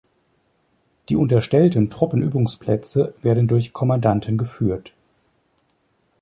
Die unterstellten Truppenübungsplätze werden durch Kommandanten geführt.